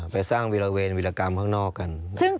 ไปสร้างวิราเวนวิรกรรมข้างนอกกัน